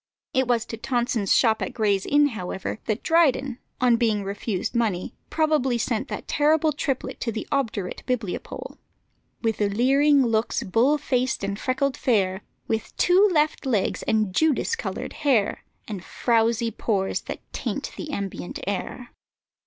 It was to Tonson's shop at Gray's Inn, however, that Dryden, on being refused money, probably sent that terrible triplet to the obdurate bibliopole: "With leering looks, bull faced, and freckled fair, With two left legs, and Judas colour'd hair, And frowsy pores that taint the ambient air."